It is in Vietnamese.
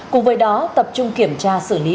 cùng với đó tập trung kiểm tra xử lý